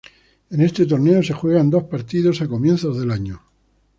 En ese torneo se juegan dos partidos a comienzos del año.